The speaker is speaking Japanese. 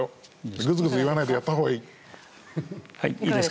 ぐずぐず言わないでやったほうがいい。